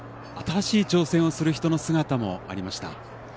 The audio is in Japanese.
新しい挑戦をする人の姿もありました。